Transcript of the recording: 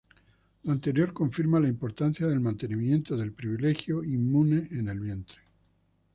Lo anterior confirma la importancia del mantenimiento del privilegio inmune en el vientre.